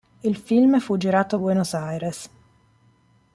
Il film fu girato a Buenos Aires.